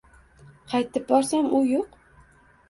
Qaytib borsam u yo’q